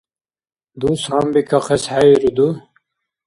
Дус гьанбикахъес хӀейруду?